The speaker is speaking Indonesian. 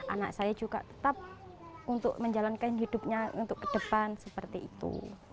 anak saya juga tetap untuk menjalankan hidupnya untuk ke depan seperti itu